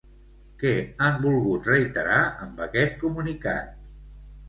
Què han volgut reiterar amb aquest comunicat?